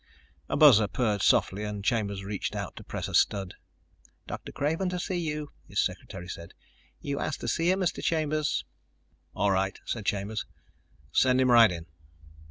A buzzer purred softly and Chambers reached out to press a stud. "Dr. Craven to see you," his secretary said. "You asked to see him, Mr. Chambers." "All right," said Chambers. "Send him right in."